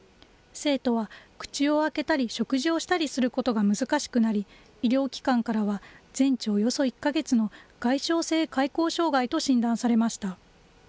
生徒は口を開けたり食事をしたりすることが難しくなり、医療機関からは、全治およそ１か月の外傷性開口障害と診断されました。